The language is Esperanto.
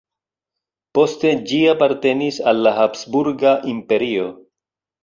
Poste ĝi apartenis al la Habsburga Imperio.